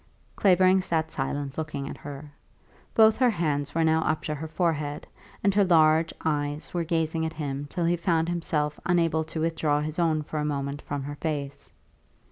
Clavering sat silent looking at her. Both her hands were now up to her forehead, and her large eyes were gazing at him till he found himself unable to withdraw his own for a moment from her face.